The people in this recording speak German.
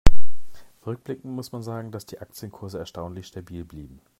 Rückblickend muss man sagen, dass die Aktienkurse erstaunlich stabil blieben.